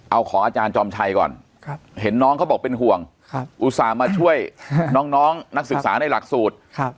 เอาของอาจารย์จอมชัยก่อนเห็นน้องเขาบอกเป็นห่วงอุตส่าห์มาช่วยน้องนักศึกษาในหลักสูตร